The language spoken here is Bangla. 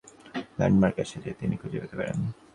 কোন ল্যান্ডমার্ক আছে যে তিনি খুঁজে পেতে পারেন?